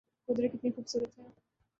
قدرت کتنی خوب صورت ہے